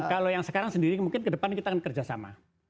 kalau yang sekarang sendiri mungkin ke depan kita akan kerjasama